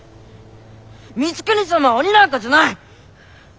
光圀様は鬼なんかじゃない！